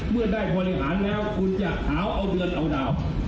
เมื่อได้บริหารแล้วคุณจะหาเอาเดือนเอาดาว